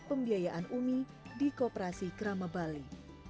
pembiayaan umi di kooperasi krama bali